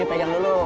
ini pegang dulu